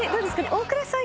大倉さん